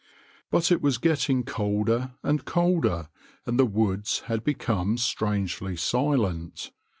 But it was getting colder and colder, and the woods had become strangely silent.